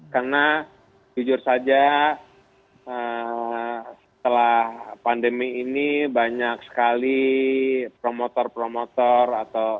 karena jujur saja setelah pandemi ini banyak sekali promotor promotor atau